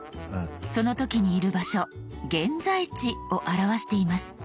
その時にいる場所「現在地」を表しています。